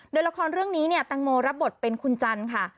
โดยละครเรื่องนี้เนี่ยแตงโมรับบทเป็นคุณจันทร์ค่ะ